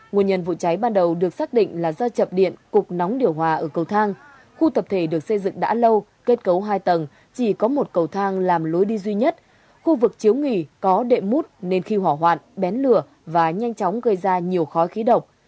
nguồn nhân vụ cháy ban đầu được xác định là do chập điện cục nóng điều hòa ở cầu thang khu tập thể được xây dựng đã lâu kết cấu hai tầng chỉ có một cầu thang làm lối đi duy nhất khu vực chiếu nghỉ có đệm mút nên khi hỏa hoạn bén lửa và nhanh chóng gây ra nhiều khói khí độc